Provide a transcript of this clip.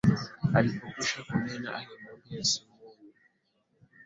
Alipokwisha kunena, alimwambia Simoni.